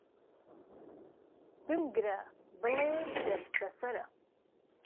بم گرە، بلی: دەست بەسەرە.